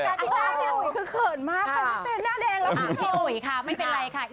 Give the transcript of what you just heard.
อิงฟ้าคือเขินมากเขาต้องเตรียมหน้าแดงแล้วพี่โหย